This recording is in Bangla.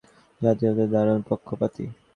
ইংলণ্ডের অধিকাংশ লোকই জাতিভেদের দারুণ পক্ষপাতী।